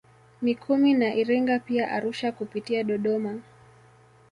Mikumi na Iringa pia Arusha kupitia Dodoma